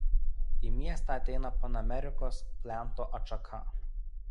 Į miestą ateina Panamerikos plento atšaka.